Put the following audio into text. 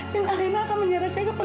dan alena akan menyerah saya ke pengadilan